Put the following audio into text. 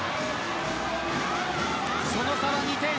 その差は２点。